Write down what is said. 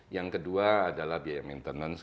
yang kedua adalah biaya maintenance